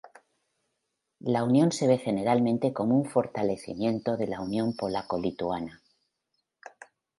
La unión se ve generalmente como un fortalecimiento de la unión polaco-lituana.